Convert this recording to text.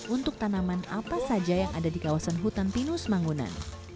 untuk tanaman apa saja yang ada di kawasan hutan pinus mangunan